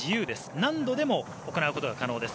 何度でも行うことが可能です。